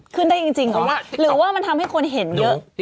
ขึ้นได้จริงเหรอหรือว่ามันทำให้คนเห็นเยอะ